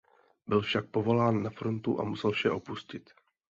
Byl však povolán na frontu a musel vše opustit.